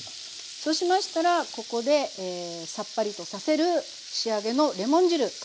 そうしましたらここでさっぱりとさせる仕上げのレモン汁加えていきたいと思います。